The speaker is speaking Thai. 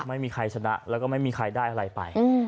ไม่มีใครชนะแล้วก็ไม่มีใครได้อะไรไป